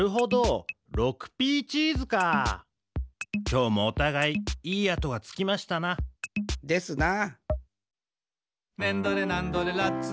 きょうもおたがいいい跡がつきましたな。ですな。